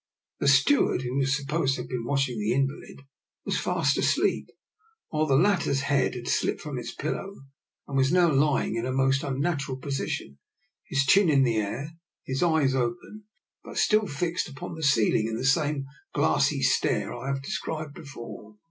The steward, who was supposed to have been watching the invalid, was fast asleep, while the hitter's head had slipped from its pillow and was now lying in a most unnatural position, his chin in the air, his eyes open, but still fixed upon the ceiling in the same glassy stare I have described before.